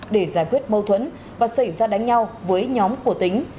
để giải quyết mâu thuẫn và xảy ra đánh nhau với nhóm của tính